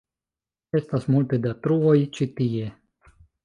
Estas multe da truoj ĉi tie.